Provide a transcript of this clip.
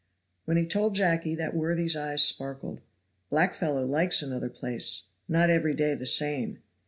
When he told Jacky that worthy's eyes sparkled. "Black fellow likes another place. Not every day the same."